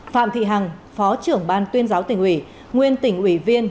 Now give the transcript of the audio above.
phạm thị hằng phó trưởng ban tuyên giáo tỉnh ủy nguyên tỉnh ủy viên